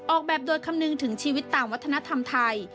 ออกแบบโดยคำนึงถึงชีวิตตามวัฒนธรรมไทย